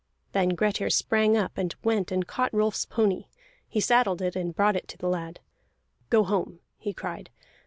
Then Grettir sprang up, and went and caught Rolf's pony; he saddled it, and brought it to the lad. "Go home!" he cried.